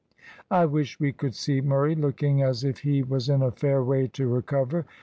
I wish we could see Murray looking as if he was in a fair way to recover.